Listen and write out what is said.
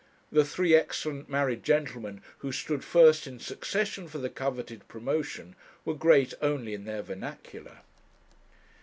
The three excellent married gentlemen who stood first in succession for the coveted promotion were great only in their vernacular.